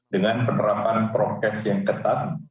dengan penerapan prokes yang ketat